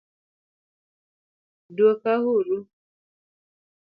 dwoka uru